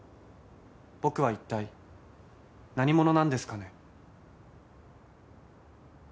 僕は一体何者なんですかね？